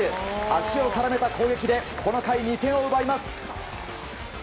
足を絡めた攻撃でこの回、２点を奪います。